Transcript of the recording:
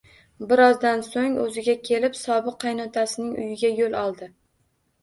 Birozdan so`ng o`ziga kelib, sobiq qaynotasining uyiga yo`l oldi